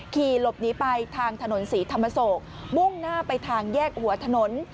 ขี่หลบหนีไปทางถนนศรีธรรมโศกมุ่งหน้าไปทางแยกหัวถนน